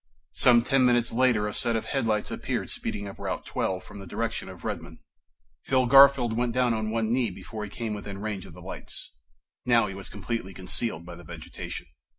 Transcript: Some ten minutes later, a set of headlights appeared speeding up Route Twelve from the direction of Redmon. Phil Garfield went down on one knee before he came within range of the lights. Now he was completely concealed by the vegetation.